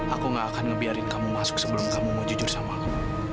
aku gak akan ngebiarin kamu masuk sebelum kamu mau jujur sama aku